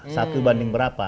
satu banding berapa